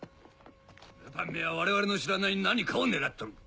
ルパンめは我々の知らない何かを狙っとる。